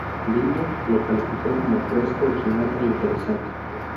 Billboard lo calificó como "fresco, original e interesante".